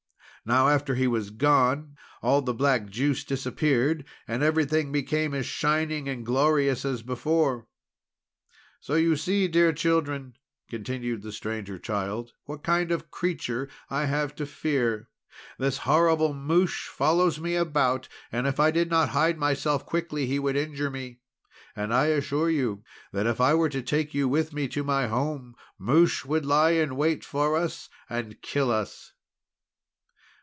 Now after he was gone, all the black juice disappeared, and everything became as shining and glorious as before. "So you see, dear Children," continued the Stranger Child, "what kind of a creature I have to fear. This horrible Mouche follows me about, and, if I did not hide myself quickly, he would injure me. And I assure you that if I were to take you with me to my home, Mouche would lie in wait for us, and kill us."